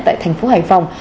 tại thành phố hải phòng